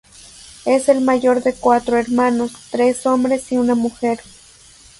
Es el mayor de cuatro hermanos: tres hombres y una mujer.